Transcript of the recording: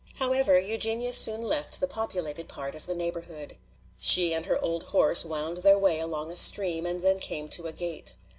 However, Eugenia soon left the populated part of the neighborhood. She and her old horse wound their way along a stream and then came to a gate.